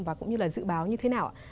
và cũng như là dự báo như thế nào